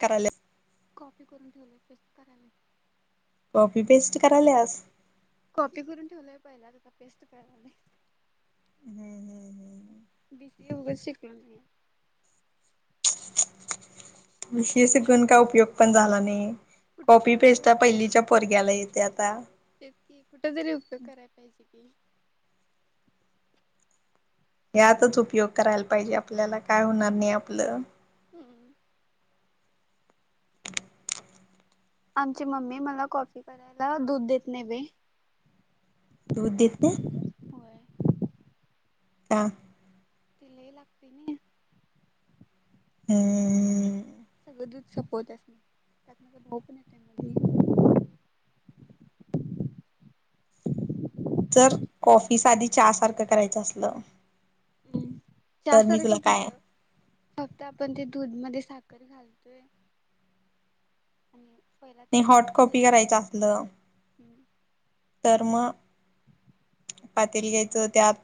करा. [unintelligible] कॉपी करून ठेवले बिस्तऱने [unintelligible] कॉपी पेस्ट करायलास. कॉपी करून ठेवलंय पहिला त्याचा पेस्ट कराय हम्म. बी सी ए होगच शिकल नाही. कुठ तर का उपयोग पण झाला कुठ कॉपी तरी उपयोग पेस्ट पहिलीच्या पोरग्याला य ते आता. तेकी कुठ तरी उपयोग करायला पाहिजे कि. यातच उपयोग करायला पाहिजे आपल्याला काय होणार नाही आपलं. [inaudible] [inaudible] आमची मम्मी मला कॉपी करायला दूध देत नाही बाई. दूध देत नाय. होय ता ती लय लागतंय नाही. अ. सगळं दूध संपवत्यास, त्यात तुझा भाऊबी पिणारे जर, कॉफी साधी चहा सारखं करायचं असलं भुम चहा तर मी तुला सारखं काय कुठं. आत्ता आपण ते दूध मध्ये साखर घालतोय. हुं पहिलात मी हॉट कॉपी करायचं आपलं. हम्म. तर मग. [inaudible] पातेलं घ्यायचं त्यात,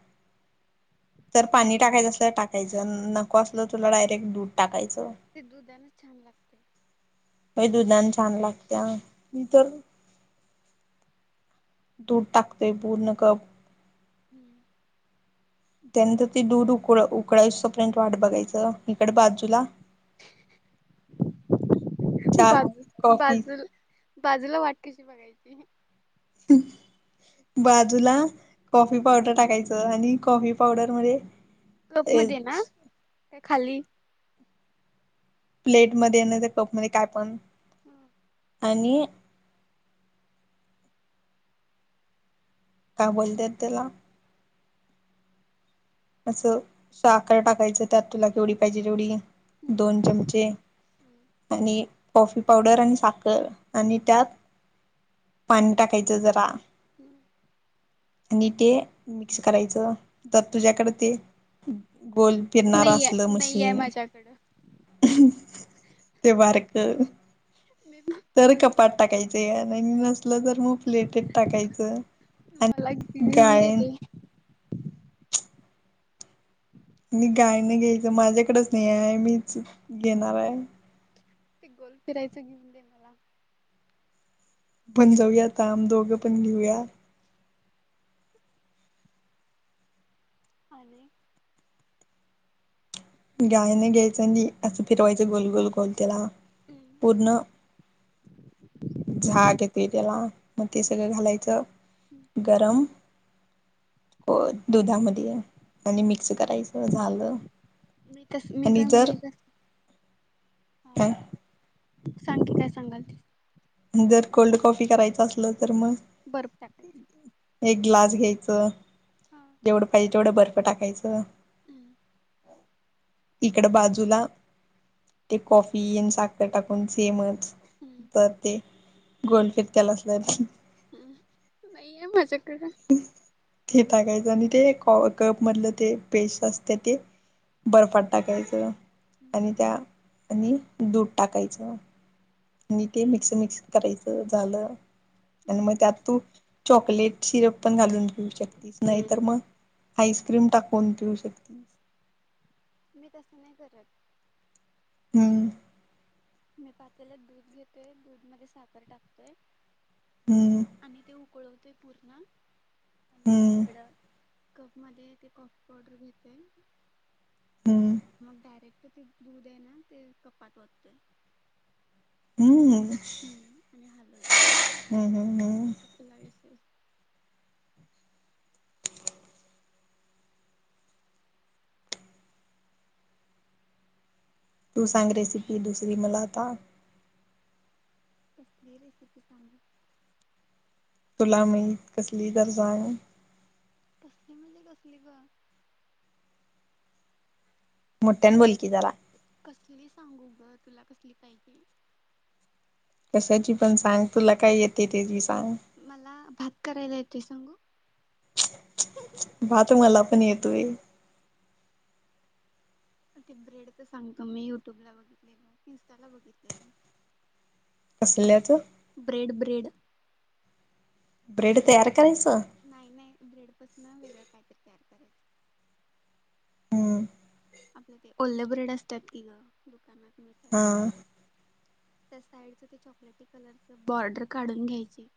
तर पाणी टाकायचं असलं तर टाक त्याच्या न नको असलं तुला डायरेक्ट दूध टाकायचं. ती दुधान छान लागतंय. ते दुधान छान लागत्या होय, हम्म तर दूध टाकते पूर्ण कप. हम्म. त्यानंतर ती दूध उकळा उकळा येऊस पर्यंत वाट बघायचं, हिकडं बाजूला चा बाजू कॉफी बाजूला बाजूला वाट कशी बघायची? [inaudible] बाजूला कॉफी पावडर टाकायचं आणि कॉफी पावडर मध्ये. कप मध्ये ना, की खाली प्लेटमध्ये नाहीतर कप मध्ये काय पण. हु. आणि. कामवाली द्या त्याला. असं साखर टाकायचं त्यात तुला केवढी पाहिजे तेवढी. दोन चमचे आणि. कॉफी पावडर आणि साखर पाणी टाक पाणी टाकायचं जरा. हुम. आणि ते मिक्स करायचं. तुझ्याकडं ते, गोल फिरणार नाही असलं आहे नाही आहे मशीन माझ्याकडं उहु ते बारीक कर. मी भ. तर कपात टाकायचं, आणि नसलं तर मग प्लेटीत टाकायचं. मला एक टीव्ही घेऊन दि गायन की. [inaudible] मी गाळणी घ्यायचं, माझ्याकडच नाहीये, मीच घेणाराय. ते गोल फिरायचं घेऊन दे ना. आपण जाऊया आता, आम्ही दोघं पण न्यू या. आलय. गाळणी घ्यायचं आणि असं फिरवायचं गोल गोल गोल त्याला पूर्ण. झाड येतोय त्याला मग ते सगळं घालायचं गरम. होय दुधामध्ये आणि मिक्स करायचं झालं. मी तस मी जर मी जर, काय, सांग की काय सांगालतीस? जर कोल्ड कॉफी करायचं असलं तर म? बर्फ टाकायचं. एक ग्लास घ्यायचं हा जेवढं पाहिजे तेवढं बर्फ टाकायचं. अह् तिकडं बाजूला, ते कॉफी आणं साखर टाकून सेमच, तर ते गोल फेकतेलं असलं हम्म नाहीय माझ्याकडं? ते टाकायचं ते को कप मधलं ते पेस्ट असतीया ते, बर्फात टाकायचं त्या आणि मी त्यात दूध टाकायचं. आणि ते मिक्स मिक्स करायचं झालं आणि मग नाही त्यात तस तू चॉकलेट. सिरप पण घालून पिऊ शकतीस नाहीतर मग आईस्क्रीम टाकून पिऊ शकती. मी तसं नाही करत. हम्म मी पातेल्यात दूध घेतोय दुधमध्ये साखर टाकतोय हम्म आणि ते ऊक उकळवते पूर्ण आणि हम्म इकडं, कप मध्ये ते कॉफी पावडर घेतोय हम्म मग डायरेक्ट, तर ते दूध आहे ना ते कपात वततोय. हम्म. हम्म आणि हलवते हम हम हम संपला विषय. तू सांग रेसिपी दुसरी मला आता? कसली रेसिपी सांगू? तुला माहित कसली गरज आहं? कसली म्हणजे कसली गं? मोठ्यान बोल की जरा? कसली सांगू गं तुला कसली पाहिजे? कशाची पण सांग तुला काय येतंय त्याची सांग. मला भात करायला येतू सांगू. भात मला पण येतोय. ते ब्रेडच सांगतो मी, युट्यूब ला बघितलेलो, इन्स्टाला बघितलेलो. त्या कसल्याचं? ब्रेड ब्रेड ब्रेड तयार करायचं? नाय नाय ब्रेड पासनं वेगळं काय तरी तयार करायचं. हम्म आपलं ते वोल्ल ब्रेड असत्यात की गं दुकानात मिळता हा. त्याचं साईडची चॉकलेटी कलरचं बॉर्डर काढून घ्यायची.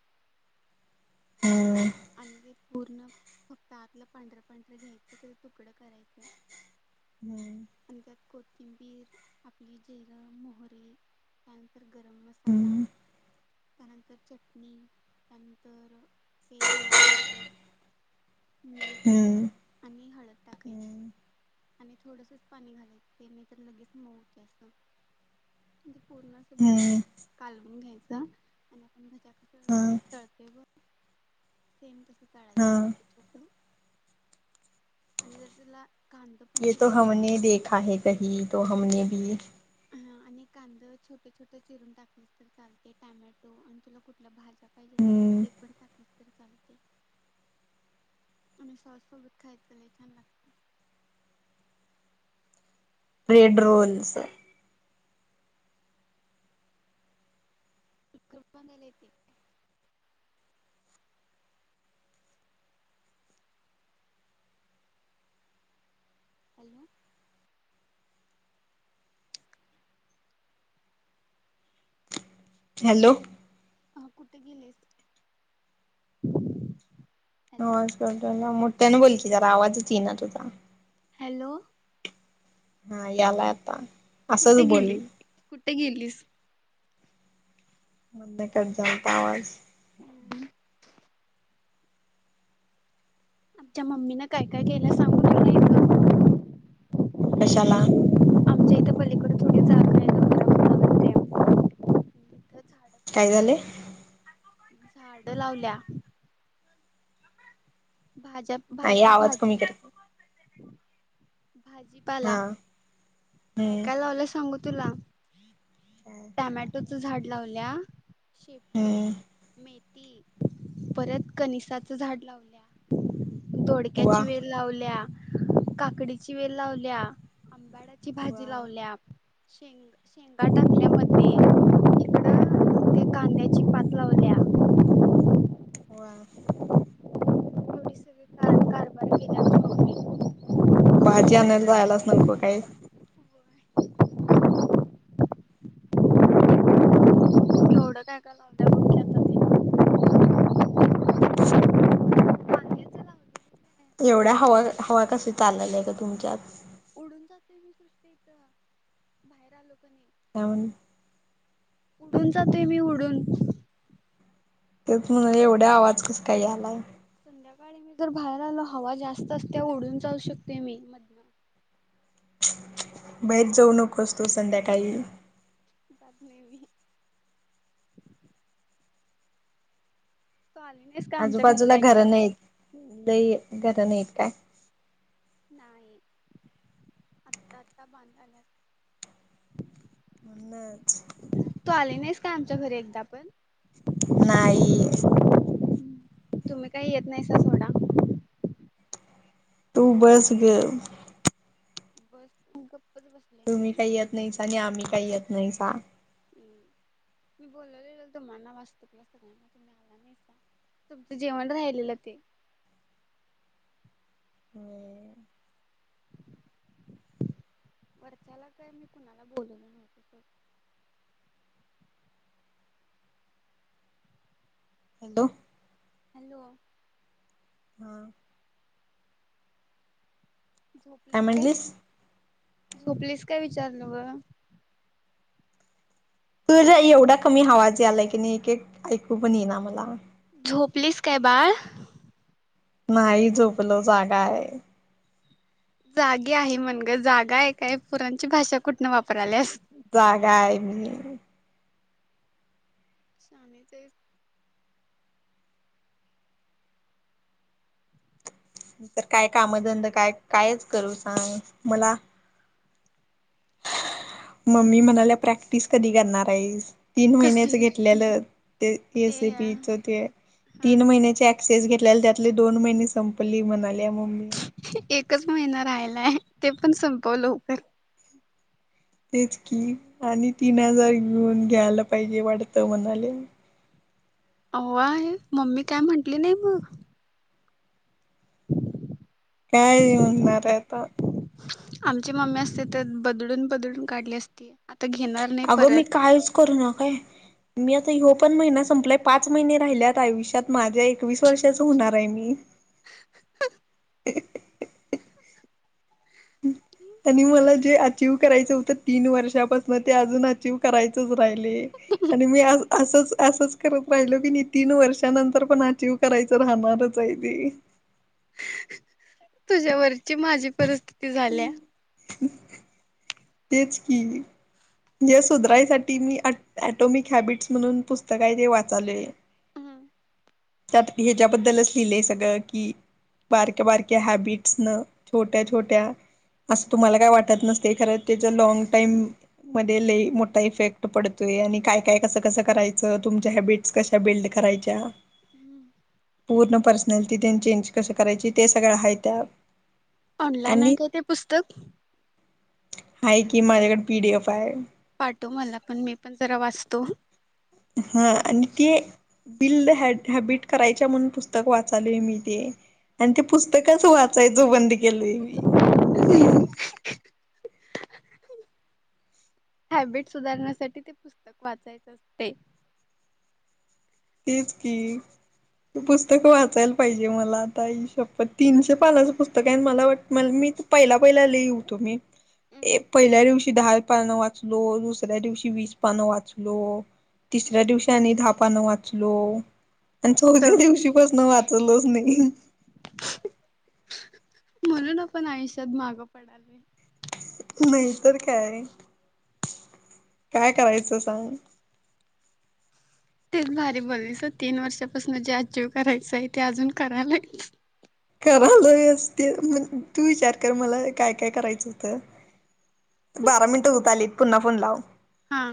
ह्म अंडी पूर्ण त्यातलं फक्त पांढरं पांढरं घ्यायचं त्याचं तुकडं करायचं. हम्म आणि त्यात कोथिंबीर आपली जिरं मोहरी. त्यानंतर गरम मसाला हम्म त्यानंतर चटणी त्यानंतर, ते धना पावडर मीठ हम्म आणि हळद टाकायचे. हम्म आणि थोडसचं पाणी घालायचं नाही तर लगेच मऊ होतंय असं. पूर्ण असं भरून हम्म कालवून घ्यायचा आणि भजाचं हा कळतंय बघ. सेम तस तळायचं हाँ छोटं छोटं आणि जर तुला. कांदा पण येतो चिरून हमने घातलीस देखा है कही तो हमने भी. हा आणि आणि कांदा छोटे छोटे चिरून टाकलं तर चालतय टोमॅटो आणि तुला कुठल्या भाज्या पाहिजे असतील तर. ते पण टाकलं तरी चालतंय आणि सॉस सोबत खायचं लई छान लागतंय. फ्रेंड रॉयलचे. युट्युब [unintelligible] येते. हॅलो. हॅलो. हा कुठे गेलेत? [unintelligible] [unintelligible] मोठ्याने बोल की जरा आवाजच येईना तुझा. हॅलो. हा यायला आत्ता. कुठे गेली कुठे गेलीस? बंद करतो तो आवाज. हुम. तिच्या मम्मीनं काय काय केलंय सांगू का नाय ग. कशाला? आमच्या इथं पलीकडे थोडी जागा येणार. [unintelligible] काय झालंय? झाड लावल्या. भाजप नाही भाजी आवाज कमी भाजी कर भाजी. त्याला हा काय हम्म काय लावलंय सांगू तुला टोमॅटो. तू झाड लावल्या शेपू हम्म मे थी परत कधी साच झाड लावल्या. वा दोडक्याची वेल लावल्या काकडीची वेल लावल्या अंबाड्या. ची वा भाजी लावल्या शेंग शेंग गा टाकल्यात मध्ये तिकडं. ते कांद्याची पात लावल्या. वन तुम्ही सगळे कार कारभार [inaudible] भाजी आणायला जायला नको काय. पुढे काय काय लावत्या बघ. की आता टीसीक. ते वांग्याचं लावलेलं काय खरं एवढं ते हवा हवा कशी चालाय या ग तुमच्यात. उडून जातोय मी सृष्टी हित बाहेर आलो की नाही. काय म्हणली? उडून जातो य मी उडून. तेच मला एवढ्या आवाज कसं काय यायलाय. संध्याकाळी मी जर बाहेर आलो हवा जास्त असत्या उडून जाऊ शकते मी. बाहेर जे नकोस तू संध्याकाळी. जात नाही मी. का आली मी. आजूबाजूला घर नाहीत लई घर नाहीत काय. नाही आत्ता आत्ता बांधाय लागले. म्हणूनच. तू आली नाहीस का आमच्या घरी एकदा पण? नाही. तुम्ही काय येत नाहीसा सोडा. तू बस गप. बस, मी गप्पच बसलोय. तुम्ही काही येत नाहीसा आणि आम्ही काही येत नाहीसा. मी बोललेल तुम्हाना वास्तुकला सगळ्यांना आला नाहीसा. तुमचं जेवण राहिलेलं ते. वरच्याला काय मी कुणाला? बोलल नव्हत. हॅलो. हॅलो. हां. झोपलीस काय? झोपलीस काय विचारलो ग. तुझ एवढा कमी आवाज यालय कणी एक एक आयाकु पण येई ना मला. झोपलीस काय बाळ? नाही झोपल जागा आहे. जाही हाय मण गं, जागा ये काय पोरांची भाषा कुठनं वापराल्यास? जागा हाय मी. शान त [unintelligible] तर काय कामधंद काय कायच करू सांग मला- मम्मी म्हणाल्या प्रॅक्टिस कधी करणार हाईस? तीन महिनच कसली घेतलेलं ते ए से पी च ते, तीन महिन्या एक्सेस घेतल्याल त्यातले दोन महिने संपली म्हणाल्या मम्मी. एकच महिना राहिलाय ते पण संपव लवकर. तेच की आणि तीन हजार घेऊन घ्यायला पाहिजे वाटतं म्हणाले.. आहों आहे मम्मी काय म्हटली नाही मग? काय येऊनणार आहे आता. आमची मम्मी असते ते बदडून, बदडून काढली असती. आता घेणार. नाही अगं परत मी कायच करना काय मी आता ह्यो पण महिना संपलाय पाच महिने राहिल्यात आयुष्यात माझ्या एकवीस वर्षाच होणार आहे मी. [inaudible] आणि मला जे अचव करायचं होतं तीन वर्षापासून अजून अचव. करायचच राहिलय, आणि मी आज असंच असंच करत राहिल की नाही तीन वर्षानंतर पण अचीव करायचं राहणारच आहे तेी. तुझ्यावरची माझी परिस्थिती झाल्या. तेच की. य सुधरायसाठी मी ॲटॉमिक हॅबिट्स म्हणून पुस्तक आय तेे वाचालोय. त्यात ह्याच्याबद्दलच लिहिलंय सगळं की बारक्या बारक्या हॅबिट्स न, छोट्या छोट्या असं तुम्हाला काय वाटत नसते खरं त्याच लँंग टाईम. मध्ये ल मोठा इफेक्ट पडतोय आणि काय काय कसं कसं करायचं तुमच्या हॅबिट्स क. कशा बिल्ड करायच्या. हम्म. पूर्ण पर्सनॅलिटी तेन चेंज कशी करायची? ते सगळं हाय त्यात. ऑनलाईन आहे काय ते पुस्तक? हाय की माझ्याकडे पी डी एफ हाय. पाठो मला पण मी पण जरा वाचतो. ह आणि ते बिल् द ह हॅबिट करायच्या म्हणून पुस्तक वाचालय मी ते आणि ते पुस्तकाच वाचायचं बंद केलंय मी. हॅबिट सुधारण्यासाठी ते पुस्तक वाचायचं असते. तेच की. त पुस्तकं वाचायला पाहिजे मला आता ह शप्पर तीनशे पालाचं पुस्तक आहे मला वाट म मी. पहिला पहिला लिहऊ तु मी ए पहिल्या दिवशी दहा वा. दुसऱ्या दिवशी वीस पानं वाचलो तिसऱ्या दिवशी आणि दहा पानं वाच. चलो आणि तर चौथ्या दिवशी पाासन वाचलच नाही. म्हणून आपण आयुष्यात माग पडालोय. नाहीतर काय, काय करायचं सांग? तेच भारी बोलीस तीन वर्षापासून जे अचीव करायचं आहे ते अजून करालागलीस. कराला व असते मग तू विचार कर मला काय काय करायचं होतं. बारा मिनट होत आलीत पुन्हा फोन लाव. हा.